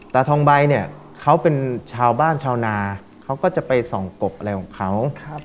ตาทองใบเนี่ยเขาเป็นชาวบ้านชาวนาเขาก็จะไปส่องกบอะไรของเขา